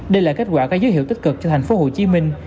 đây là kết quả các dữ hiệu tích cực cho thành phố hồ chí minh